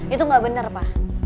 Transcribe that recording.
itu enggak bener pak